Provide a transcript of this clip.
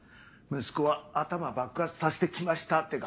息子は頭爆発させてきましたってか。